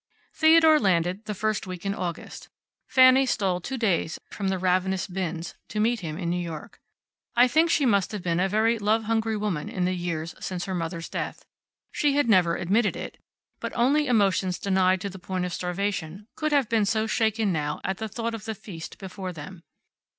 Theodore landed the first week in August. Fanny stole two days from the ravenous bins to meet him in New York. I think she must have been a very love hungry woman in the years since her mother's death. She had never admitted it. But only emotions denied to the point of starvation could have been so shaken now at the thought of the feast before them.